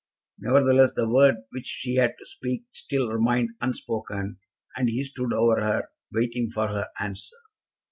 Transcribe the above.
Nevertheless, the word which she had to speak still remained unspoken, and he stood over her, waiting for her answer.